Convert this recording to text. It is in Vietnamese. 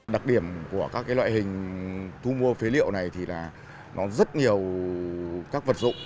đặc điểm của các loại hình thu mua phế liệu này là rất nhiều các vật dụng